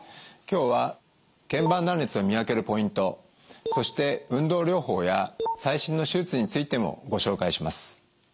今日は腱板断裂を見分けるポイントそして運動療法や最新の手術についてもご紹介します。